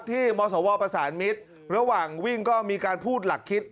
มศวประสานมิตรระหว่างวิ่งก็มีการพูดหลักคิด